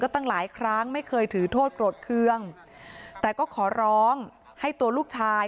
ตั้งหลายครั้งไม่เคยถือโทษโกรธเครื่องแต่ก็ขอร้องให้ตัวลูกชาย